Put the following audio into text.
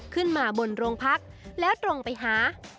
ขึ้นมาบนโรงพักแล้วตรงไปหา